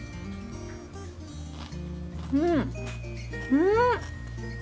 うんうん！